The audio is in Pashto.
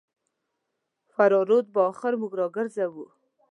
فراه رود به اخر موږ راګرځوو.